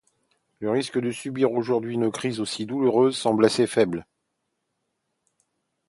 Le risque de subir aujourd'hui une crise aussi douloureuse semble assez faible.